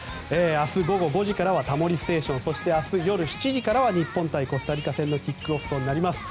明日午後５時からは「タモリステーション」そして明日夜７時からは日本対コスタリカ戦のキックオフとなります。